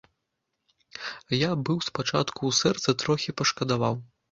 Я быў спачатку ў сэрцы трохі пашкадаваў.